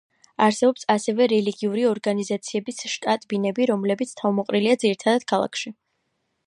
არსებობს ასევე რელიგიური ორგანიზაციების შტაბ-ბინები, რომლებიც თავმოყრილია ძირითადად ქალაქში.